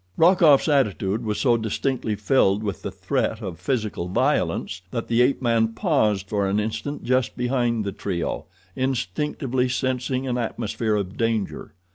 Rokoff's attitude was so distinctly filled with the threat of physical violence that the ape man paused for an instant just behind the trio, instinctively sensing an atmosphere of danger.